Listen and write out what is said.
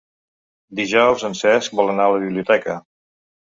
Dijous en Cesc vol anar a la biblioteca.